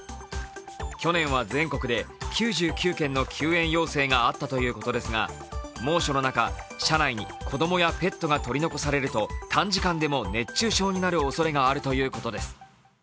去年は全国で９９件の救援要請があったということですが猛暑の中、車内に子供やペットが取り残されると短時間でも熱中症になるおそれがあるということです。